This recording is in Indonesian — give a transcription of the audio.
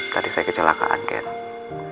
tadi saya kecelakaan kate